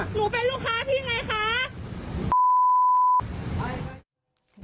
หนูเป็นลูกค้าพี่ไงคะ